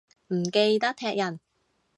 唔記得踢人